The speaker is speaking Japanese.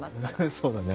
そうだね